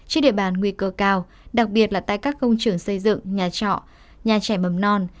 trên địa bàn nguy cơ cao đặc biệt là tại các công trường xây dựng nhà trọ nhà trẻ mầm non